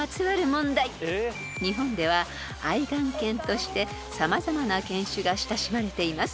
［日本では愛玩犬として様々な犬種が親しまれています］